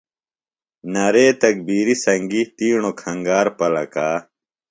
نعرے تکبیرِ سنگیۡ تیݨوۡ کھنگار پلکا۔